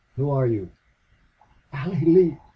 Who are you?" "Allie Lee.